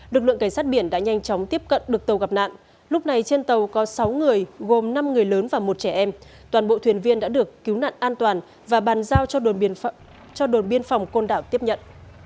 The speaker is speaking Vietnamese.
lực lượng cảnh sát biển đã nhanh chóng tiếp cận được tàu gặp nạn lúc này trên tàu có sáu người gồm năm người lớn và một trẻ em toàn bộ thuyền viên đã được cứu nạn an toàn và bàn giao cho đồn biên phòng côn đảo tiếp nhận